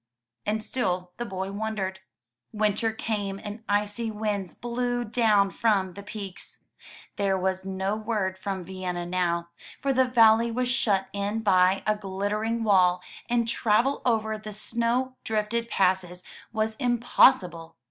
And still the boy wondered. Winter came and icy winds blew down from the peaks. There was no word from Vienna now, for the valley was shut in by a glittering wall, and travel over the snow drifted passes was im possible.